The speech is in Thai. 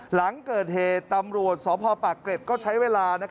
หลังเกิดเหตุตำรวจสพปากเกร็ดก็ใช้เวลา